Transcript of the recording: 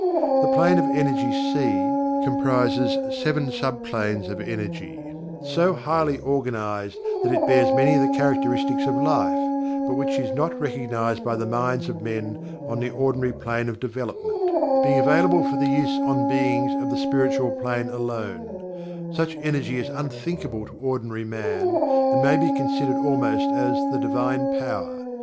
The Plane of Energy (C) comprises seven sub planes of energy so highly organized that it bears many of the characteristics of "life," but which is not recognized by the minds of men on the ordinary plane of development, being available for the use on beings of the Spiritual Plane alone such energy is unthinkable to ordinary man, and may be considered almost as "the divine power."